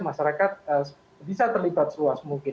masyarakat bisa terlibat seluas mungkin